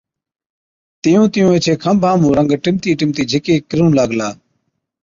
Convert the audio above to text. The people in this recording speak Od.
تِيُون تِيُون ايڇي کنڀا مُون رنگ ٽِمتِي ٽِمتِي جھِڪي ڪرُون لاگلا۔